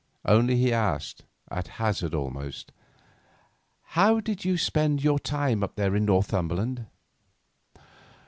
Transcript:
Only he asked, at hazard almost: "How did you spend your time up there in Northumberland?"